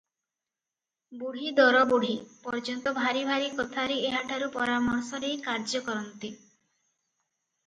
ବୁଢ଼ୀ ଦରବୁଢ଼ୀ, ପର୍ଯ୍ୟନ୍ତ ଭାରି ଭାରି କଥାରେ ଏହାଠାରୁ ପରାମର୍ଶ ନେଇ କାର୍ଯ୍ୟ କରନ୍ତି ।